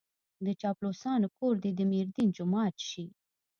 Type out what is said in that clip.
د چاپلوسانو کور دې د ميردين جومات شي.